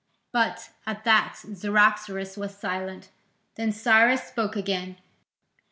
But at that Cyaxares was silent. Then Cyrus spoke again.